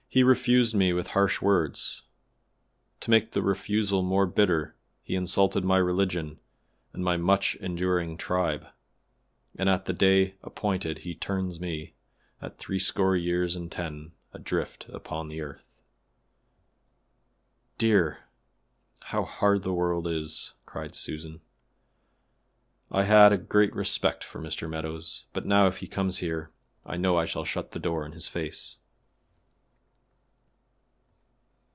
"He refused me with harsh words. To make the refusal more bitter he insulted my religion and my much enduring tribe, and at the day appointed he turns me, at threescore years and ten, adrift upon the earth." "Eh, dear! how hard the world is!" cried Susan; "I had a great respect for Mr. Meadows, but now if he comes here I know I shall shut the door in his face."